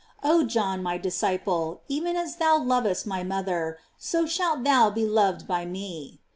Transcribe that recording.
Oh John, my ..dis ciple, even as thou lovest my* mother,'* so 'shalt thou be loved by me.